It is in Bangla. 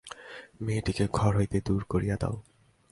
মেয়েটিকে ঘর হইতে দূর করিয়া দাও।